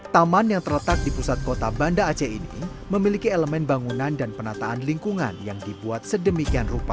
taman yang terletak di pusat kota banda aceh ini memiliki elemen bangunan dan penataan lingkungan yang dibuat sedemikian rupa